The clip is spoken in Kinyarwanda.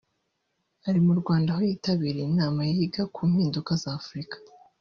ari mu Rwanda aho yitabiriye inama yiga ku mpinduka za Afurika